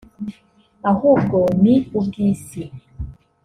ahubwo ni ubw’isi